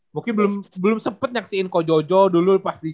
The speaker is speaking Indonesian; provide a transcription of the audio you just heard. mungkin belum sempet nyaksiin ko jojo dulu pas disini